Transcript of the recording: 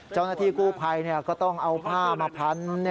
เจ้าหน้าที่กู้ภัยก็ต้องเอาผ้ามาพัน